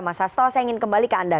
mas hasto saya ingin kembali ke anda